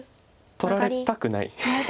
取られたくない。